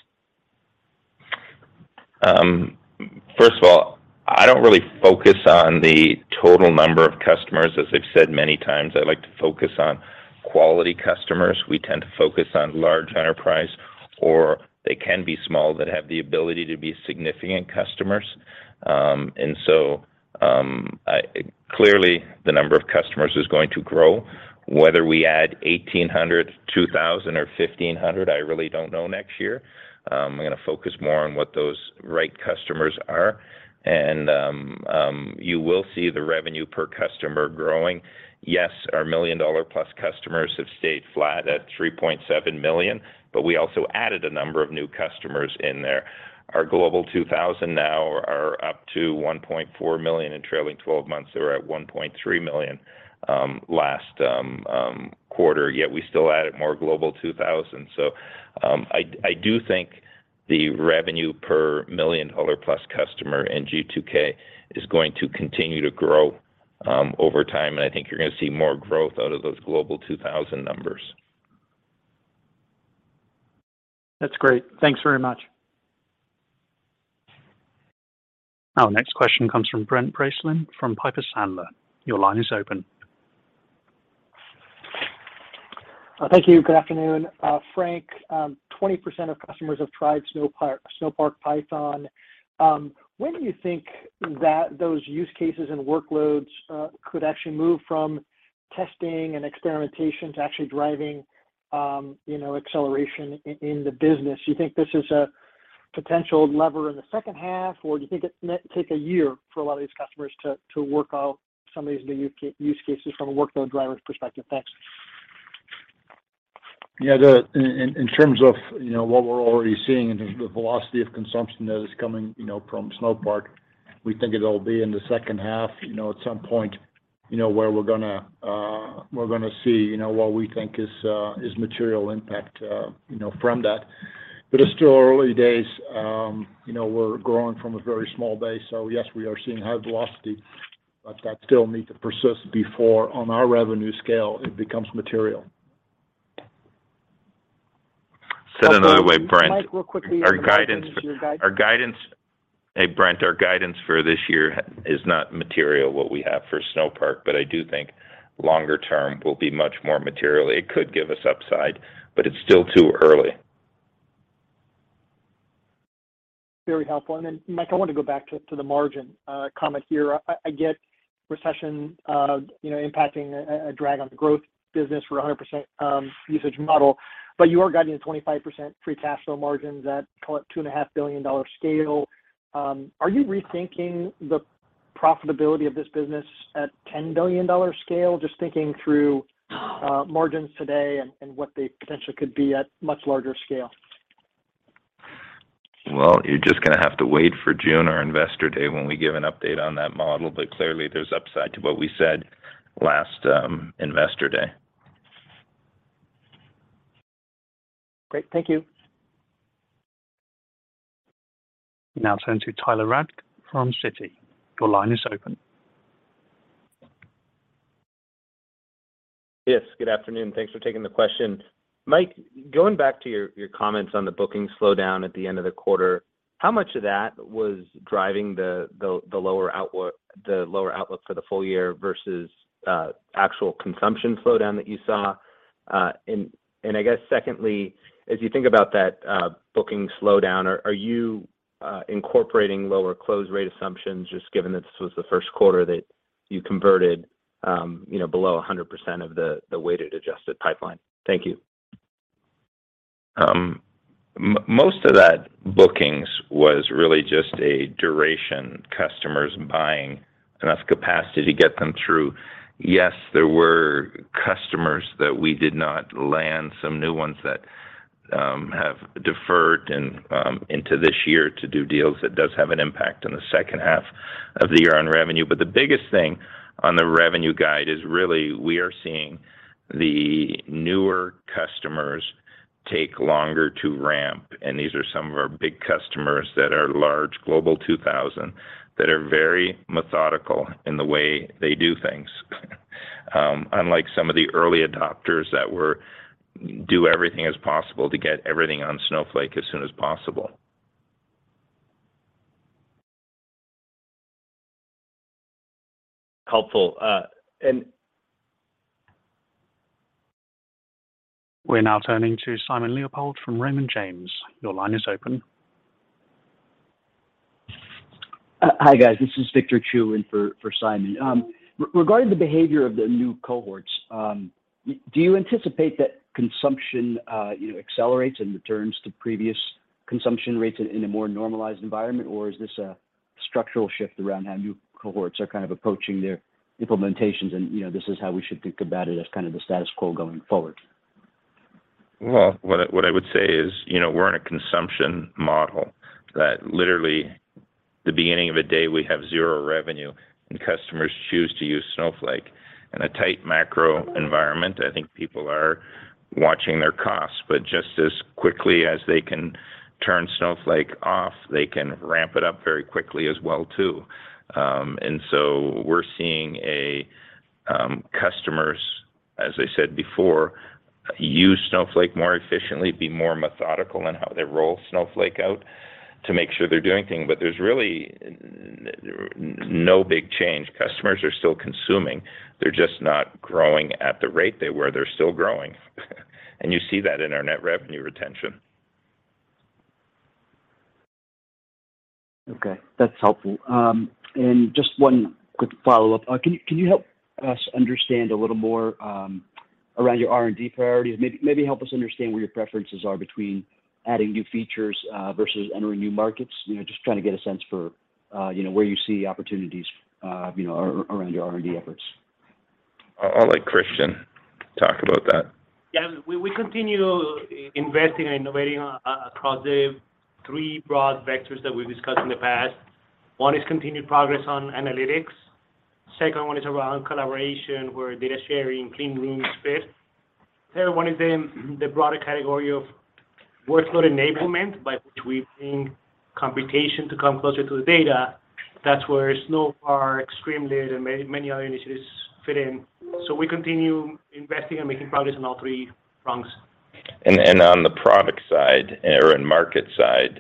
First of all, I don't really focus on the total number of customers. As I've said many times, I like to focus on quality customers. We tend to focus on large enterprise, or they can be small, that have the ability to be significant customers. Clearly the number of customers is going to grow. Whether we add 1,800, 2,000, or 1,500, I really don't know next year. I'm gonna focus more on what those right customers are. You will see the revenue per customer growing. Yes, our $1 million+ customers have stayed flat at $3.7 million, but we also added a number of new customers in there. Our Global 2000 now are up to $1.4 million in trailing 12 months. They were at $1.3 million last quarter. We still added more Global 2000. I do think the revenue per million-dollar-plus customer in G2K is going to continue to grow over time, and I think you're gonna see more growth out of those Global 2000 numbers. That's great. Thanks very much. Our next question comes from Brent Bracelin from Piper Sandler. Your line is open. Thank you. Good afternoon. Frank, 20% of customers have tried Snowpark Python. When do you think that those use cases and workloads could actually move from testing and experimentation to actually driving, you know, acceleration in the business? Do you think this is a potential lever in the second half, or do you think it might take a year for a lot of these customers to work out some of these new use cases from a workload driver's perspective? Thanks. Yeah. In terms of, you know, what we're already seeing in the velocity of consumption that is coming, you know, from Snowpark, we think it'll be in the second half, you know, at some point, you know, where we're gonna see, you know, what we think is material impact, you know, from that. It's still early days. You know, we're growing from a very small base, so yes, we are seeing high velocity, but that still need to persist before on our revenue scale it becomes material. Said another way, Brent. Mike, real quickly. Our guidance. Your guidance. Our guidance. Hey, Brent, our guidance for this year is not material what we have for Snowpark, but I do think longer term will be much more material. It could give us upside, but it's still too early. Very helpful. Mike, I want to go back to the margin comment here. I get recession, you know, impacting a drag on the growth business for a 100% usage model, but you are guiding at 25% free cash flow margins at $2.5 billion scale. Are you rethinking the profitability of this business at $10 billion scale, just thinking through margins today and what they potentially could be at much larger scale? You're just gonna have to wait for June, our Investor Day, when we give an update on that model, but clearly there's upside to what we said last Investor Day. Great. Thank you. Now turn to Tyler Radke from Citi. Your line is open. Yes. Good afternoon. Thanks for taking the question. Mike, going back to your comments on the booking slowdown at the end of the quarter, how much of that was driving the lower outlook for the full year versus actual consumption slowdown that you saw? I guess secondly, as you think about that, booking slowdown, are you incorporating lower close rate assumptions just given that this was the first quarter that you converted, you know, below 100% of the weighted adjusted pipeline? Thank you. Most of that bookings was really just a duration, customers buying enough capacity to get them through. Yes, there were customers that we did not land, some new ones that have deferred in, into this year to do deals. It does have an impact on the second half of the year on revenue. The biggest thing on the revenue guide is really we are seeing the newer customers take longer to ramp, and these are some of our big customers that are large Global 2000 that are very methodical in the way they do things. Unlike some of the early adopters that were do everything as possible to get everything on Snowflake as soon as possible. Helpful. We're now turning to Simon Leopold from Raymond James. Your line is open. Hi guys. This is Victor Chiu in for Simon. Regarding the behavior of the new cohorts, do you anticipate that consumption, you know, accelerates and returns to previous consumption rates in a more normalized environment, or is this a structural shift around how new cohorts are kind of approaching their implementations, and, you know, this is how we should think about it as kind of the status quo going forward? Well, what I would say is, you know, we're in a consumption model that literally the beginning of a day, we have zero revenue, and customers choose to use Snowflake. In a tight macro environment, I think people are watching their costs, but just as quickly as they can turn Snowflake off, they can ramp it up very quickly as well too. So we're seeing a customers, as I said before, use Snowflake more efficiently, be more methodical in how they roll Snowflake out to make sure they're doing things, but there's really no big change. Customers are still consuming. They're just not growing at the rate they were. They're still growing. You see that in our net revenue retention. Okay, that's helpful. Just one quick follow-up. Can you help us understand a little more around your R&D priorities? Maybe help us understand where your preferences are between adding new features versus entering new markets. You know, just trying to get a sense for, you know, where you see opportunities, you know, around your R&D efforts. I'll let Christian talk about that. Yeah. We continue investing and innovating across the three broad vectors that we've discussed in the past. One is continued progress on analytics. Second one is around collaboration where data sharing, clean room space. Third one is in the broader category of workload enablement by which we bring computation to come closer to the data. That's where Snowpark, stream data, many other initiatives fit in. We continue investing and making progress on all three prongs. On the product side or in market side,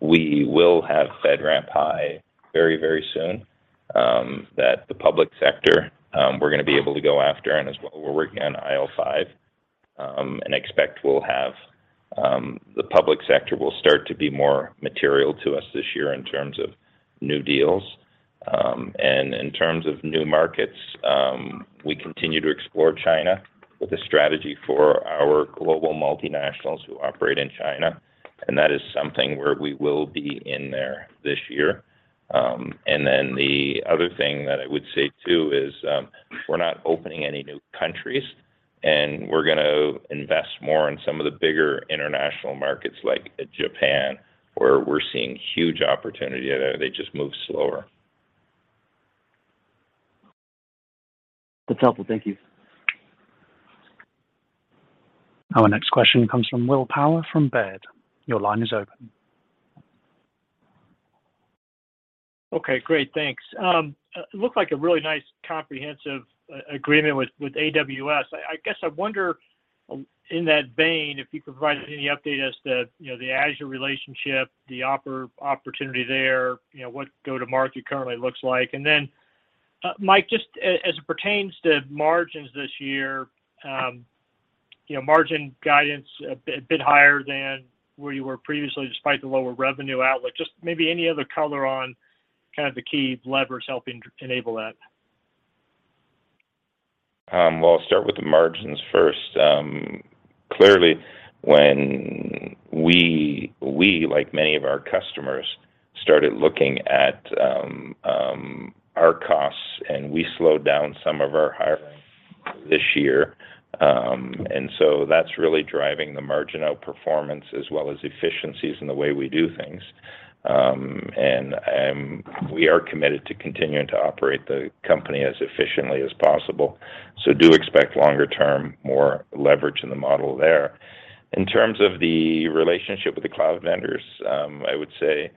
we will have FedRAMP High very, very soon, that the public sector, we're gonna be able to go after, we're working on IL5. Expect we'll have, the public sector will start to be more material to us this year in terms of new deals. In terms of new markets, we continue to explore China with a strategy for our global multinationals who operate in China. That is something where we will be in there this year. Then the other thing that I would say too is, we're not opening any new countries, and we're gonna invest more in some of the bigger international markets like Japan, where we're seeing huge opportunity there. They just move slower. That's helpful. Thank you. Our next question comes from Will Power from Baird. Your line is open. Okay, great. Thanks. It looked like a really nice comprehensive agreement with AWS. I guess I wonder, in that vein, if you can provide any update as to, you know, the Azure relationship, the opportunity there, you know, what go-to-market currently looks like. Mike, just as it pertains to margins this year, you know, margin guidance a bit higher than where you were previously despite the lower revenue outlet. Just maybe any other color on kind of the key levers helping to enable that. I'll start with the margins first. Clearly when we, like many of our customers, started looking at our costs, we slowed down some of our hiring this year. That's really driving the margin outperformance as well as efficiencies in the way we do things. We are committed to continuing to operate the company as efficiently as possible. Do expect longer-term, more leverage in the model there. In terms of the relationship with the cloud vendors, I would say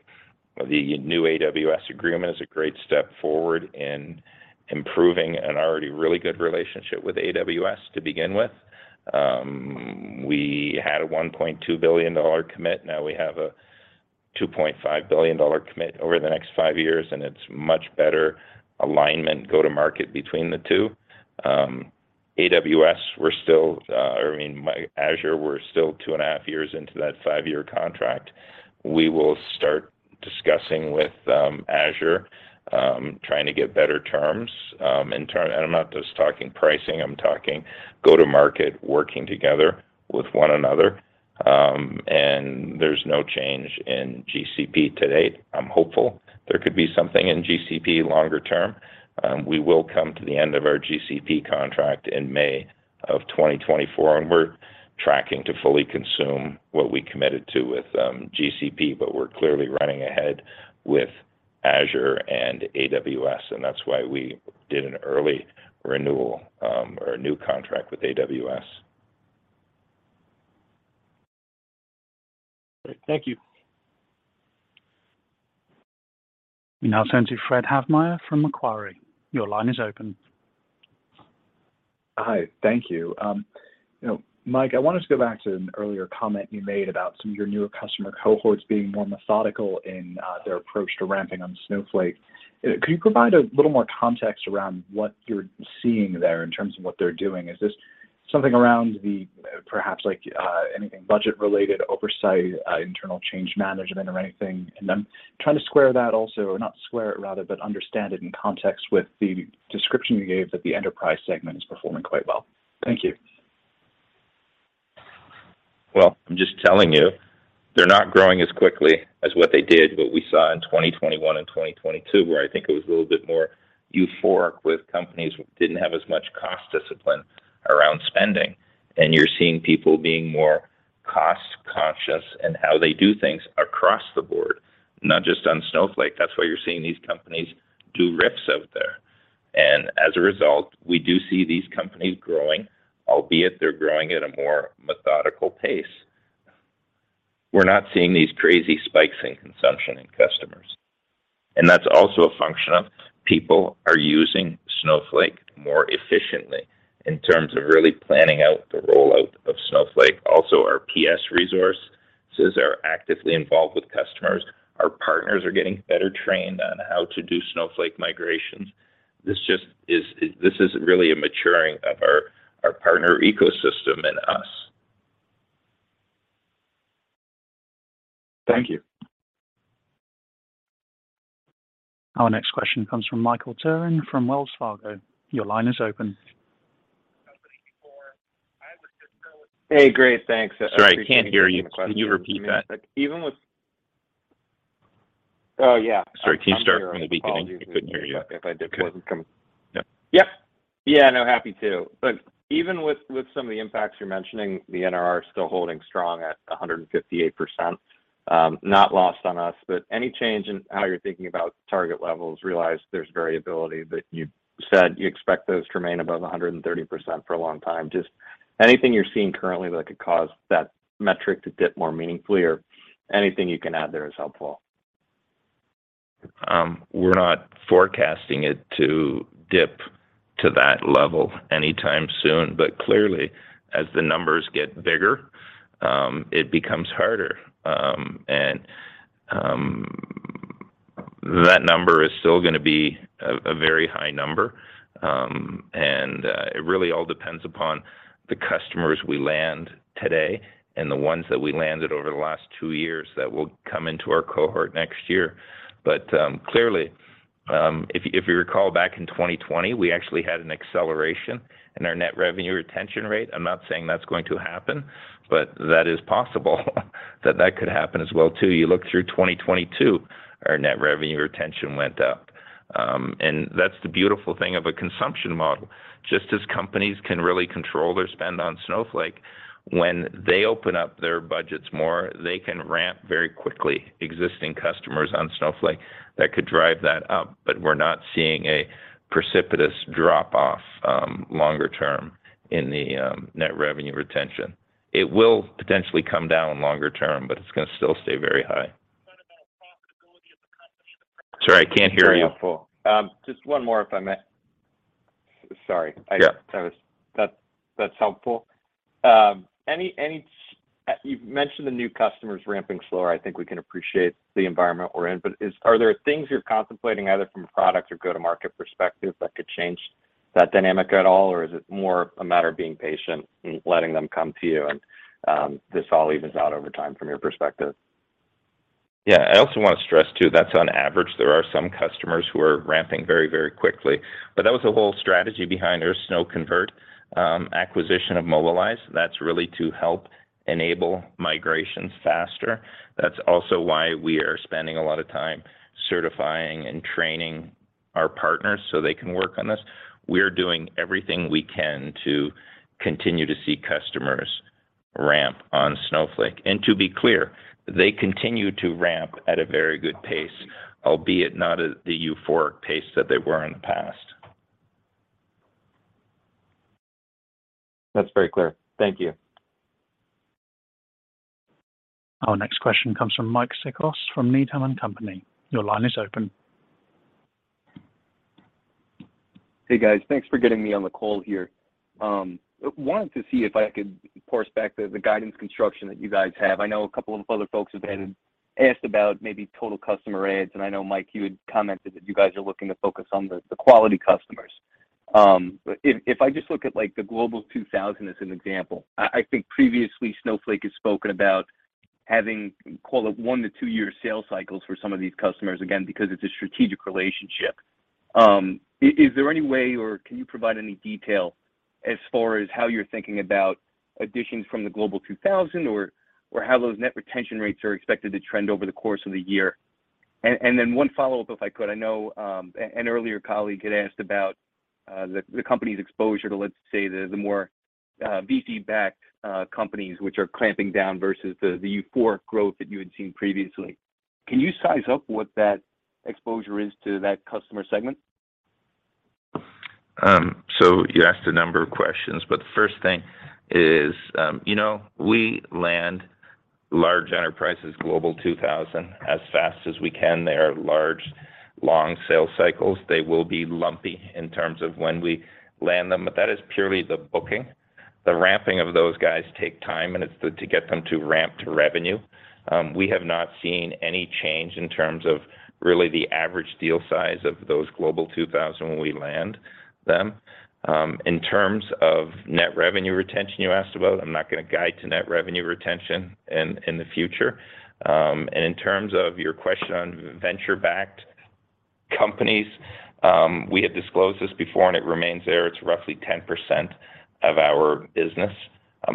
the new AWS agreement is a great step forward in improving an already really good relationship with AWS to begin with. We had a $1.2 billion commit. Now we have a $2.5 billion commit over the next five years, it's much better alignment go-to-market between the two. AWS, we're still, or I mean, Azure, we're still two and a half years into that five-year contract. We will start discussing with Azure, trying to get better terms, and I'm not just talking pricing, I'm talking go-to-market, working together with one another, and there's no change in GCP to date. I'm hopeful there could be something in GCP longer term. We will come to the end of our GCP contract in May of 2024, and we're tracking to fully consume what we committed to with GCP, but we're clearly running ahead with Azure and AWS, and that's why we did an early renewal, or a new contract with AWS. Thank you. We now turn to Fred Havemeyer from Macquarie. Your line is open. Hi. Thank you. you know, Mike, I wanted to go back to an earlier comment you made about some of your newer customer cohorts being more methodical in their approach to ramping on Snowflake. Could you provide a little more context around what you're seeing there in terms of what they're doing? Is this something around the, perhaps like, anything budget-related oversight, internal change management or anything? I'm trying to square that also, or not square it rather, but understand it in context with the description you gave that the enterprise segment is performing quite well. Thank you. Well, I'm just telling you, they're not growing as quickly as what they did, what we saw in 2021 and 2022, where I think it was a little bit more euphoric with companies that didn't have as much cost discipline around spending. You're seeing people being more cost-conscious in how they do things across the board, not just on Snowflake. That's why you're seeing these companies do RIFs out there. As a result, we do see these companies growing, albeit they're growing at a more methodical pace. We're not seeing these crazy spikes in consumption in customers. That's also a function of people are using Snowflake more efficiently in terms of really planning out the rollout of Snowflake. Also, our PS resources are actively involved with customers. Our partners are getting better trained on how to do Snowflake migrations. This just is, this is really a maturing of our partner ecosystem and us. Thank you. Our next question comes from Michael Turrin from Wells Fargo. Your line is open. Hey, great. Thanks. Sorry, I can't hear you. Can you repeat that? Even with... Oh, yeah. Sorry. Can you start from the beginning? I couldn't hear you. If I did, wasn't coming. Yep. Yep. Yeah, no, happy to. Look, even with some of the impacts you're mentioning, the NRR is still holding strong at 158%. Not lost on us, any change in how you're thinking about target levels, realize there's variability, but you said you expect those to remain above 130% for a long time. Just anything you're seeing currently that could cause that metric to dip more meaningfully or anything you can add there is helpful. We're not forecasting it to dip to that level anytime soon. Clearly, as the numbers get bigger, it becomes harder. That number is still gonna be a very high number. It really all depends upon the customers we land today and the ones that we landed over the last two years that will come into our cohort next year. Clearly, if you recall back in 2020, we actually had an acceleration in our net revenue retention rate. I'm not saying that's going to happen, but that is possible, that that could happen as well too. You look through 2022, our net revenue retention went up. That's the beautiful thing of a consumption model. Just as companies can really control their spend on Snowflake, when they open up their budgets more, they can ramp very quickly existing customers on Snowflake that could drive that up. We're not seeing a precipitous drop-off longer term in the net revenue retention. It will potentially come down longer term, but it's gonna still stay very high. What about profitability of the company? Sorry, I can't hear you. Very helpful. Just one more, if I may. Sorry. Yeah. That's helpful. You've mentioned the new customers ramping slower. I think we can appreciate the environment we're in. Are there things you're contemplating either from a product or go-to-market perspective that could change that dynamic at all? Is it more a matter of being patient and letting them come to you, and this all evens out over time from your perspective? Yeah. I also want to stress, too, that's on average. There are some customers who are ramping very, very quickly. That was the whole strategy behind our SnowConvert acquisition of Mobilize.Net. That's really to help enable migrations faster. That's also why we are spending a lot of time certifying and training our partners, so they can work on this. We're doing everything we can to continue to see customers ramp on Snowflake. To be clear, they continue to ramp at a very good pace, albeit not at the euphoric pace that they were in the past. That's very clear. Thank you. Our next question comes from Mike Cikos from Needham & Company. Your line is open. Hey guys. Thanks for getting me on the call here. Wanted to see if I could course back the guidance construction that you guys have. I know a couple of other folks have been asked about maybe total customer adds, and I know, Mike Scarpelli, you had commented that you guys are looking to focus on the quality customers. If I just look at, like, the Global 2000 as an example, I think previously Snowflake has spoken about having, call it, one or two year sales cycles for some of these customers, again, because it's a strategic relationship. Is there any way or can you provide any detail as far as how you're thinking about additions from the Global 2000 or how those net retention rates are expected to trend over the course of the year? Then one follow-up, if I could. I know, an earlier colleague had asked about the company's exposure to, let's say, the more VC-backed companies which are clamping down versus the euphoric growth that you had seen previously. Can you size up what that exposure is to that customer segment? You asked a number of questions, but the first thing is, you know, we land large enterprises, Global 2000, as fast as we can. They are large, long sales cycles. They will be lumpy in terms of when we land them, but that is purely the booking. The ramping of those guys take time, and it's to get them to ramp to revenue. We have not seen any change in terms of really the average deal size of those Global 2000 when we land them. In terms of net revenue retention you asked about, I'm not gonna guide to net revenue retention in the future. And in terms of your question on venture-backed companies, we had disclosed this before, and it remains there. It's roughly 10% of our business.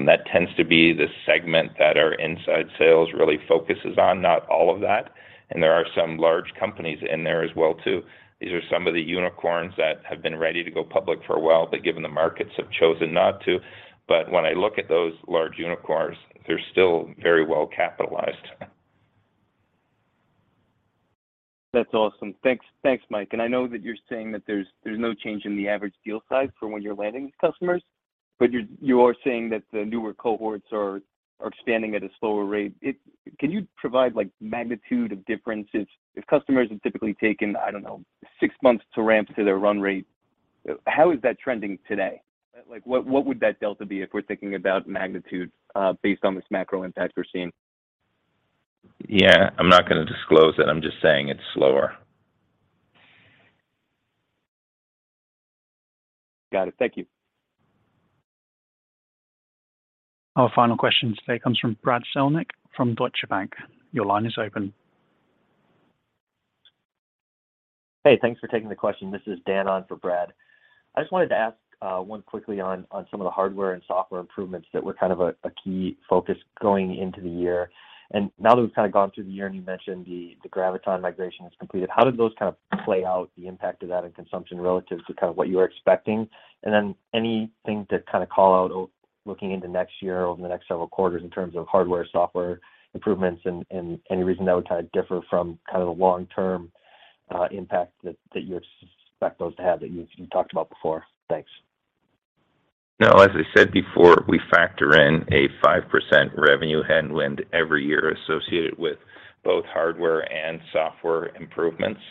That tends to be the segment that our inside sales really focuses on, not all of that, and there are some large companies in there as well too. These are some of the unicorns that have been ready to go public for a while, but given the markets, have chosen not to. When I look at those large unicorns, they're still very well capitalized. That's awesome. Thanks. Thanks, Mike. I know that you're saying that there's no change in the average deal size for when you're landing customers, but you are saying that the newer cohorts are expanding at a slower rate. Can you provide, like, magnitude of difference if customers have typically taken, I don't know, six months to ramp to their run rate, how is that trending today? like, what would that delta be if we're thinking about magnitude, based on this macro impact we're seeing? Yeah. I'm not gonna disclose it. I'm just saying it's slower. Got it. Thank you. Our final question today comes from Brad Reback from Deutsche Bank. Your line is open. Hey, thanks for taking the question. This is Dan on for Brad. I just wanted to ask one quickly on some of the hardware and software improvements that were kind of a key focus going into the year. Now that we've kinda gone through the year, and you mentioned the Graviton migration was completed, how did those kind of play out, the impact of that on consumption relative to kind of what you were expecting? Anything to kinda call out looking into next year or over the next several quarters in terms of hardware, software improvements and any reason that would kinda differ from kinda the long-term impact that you expect those to have, that you've talked about before? Thanks. No, as I said before, we factor in a 5% revenue headwind every year associated with both hardware and software improvements.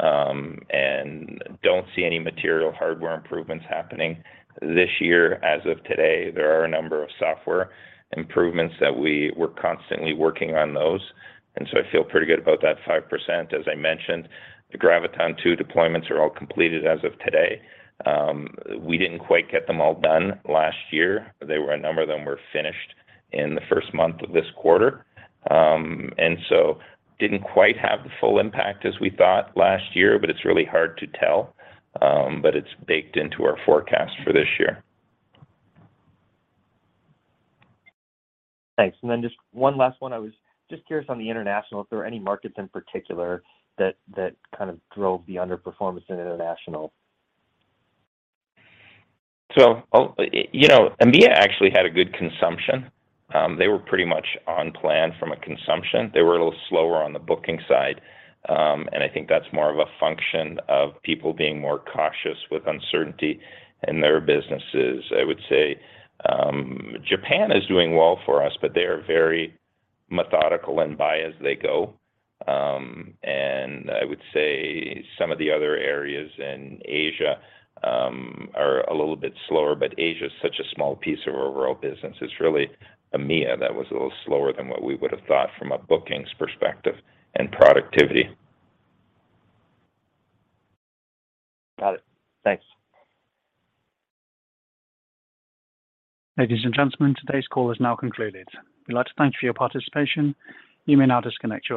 Don't see any material hardware improvements happening this year as of today. There are a number of software improvements that we were constantly working on those, and so I feel pretty good about that 5%. As I mentioned, the Graviton2 deployments are all completed as of today. We didn't quite get them all done last year. A number of them were finished in the first month of this quarter. Didn't quite have the full impact as we thought last year, but it's really hard to tell. It's baked into our forecast for this year. Thanks. Just one last one. I was just curious on the international, if there were any markets in particular that kind of drove the underperformance in international. You know, EMEA actually had a good consumption. They were pretty much on plan from a consumption. They were a little slower on the booking side, and I think that's more of a function of people being more cautious with uncertainty in their businesses. I would say, Japan is doing well for us, but they are very methodical and buy as they go. I would say some of the other areas in Asia are a little bit slower, but Asia's such a small piece of our overall business. It's really EMEA that was a little slower than what we would have thought from a bookings perspective and productivity. Got it. Thanks. Ladies and gentlemen, today's call has now concluded. We'd like to thank you for your participation. You may now disconnect your lines.